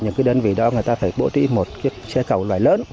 người ta phải bộ trị một chiếc xe cầu loài lớn